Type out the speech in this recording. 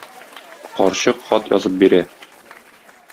Карчык хат язып бирә.